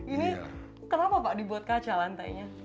ini kenapa pak dibuat kaca lantainya